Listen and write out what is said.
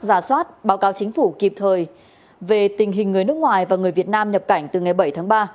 giả soát báo cáo chính phủ kịp thời về tình hình người nước ngoài và người việt nam nhập cảnh từ ngày bảy tháng ba